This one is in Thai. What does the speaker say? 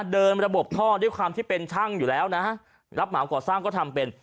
เดินระบบท่อด้วยความที่เป็นช่างอยู่แล้วนะฮะรับเหมาก่อสร้างก็ทำเป็น